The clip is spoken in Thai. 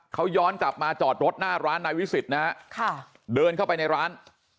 เขาย้อนกลับมาจอดรถหน้าร้านนายวิสิตนะฮะเดินเข้าไปในร้าน